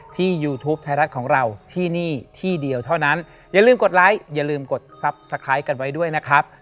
ยูทูปไทยรัฐของเราที่นี่ที่เดียวเท่านั้นอย่าลืมกดไลค์อย่าลืมกดทรัพย์สไลด์กันไว้ด้วยนะครับ